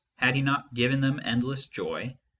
Had he not given them endless joy ?